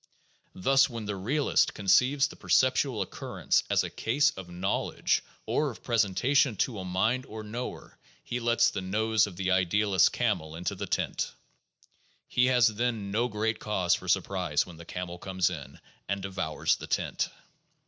Thus when the realist conceives the perceptual occurrence as a case of knowledge or of presentation to a mind or knower, he lets the nose of the idealist camel into the tent. He has then no great cause for surprise when the camel comes in — and devours the tent.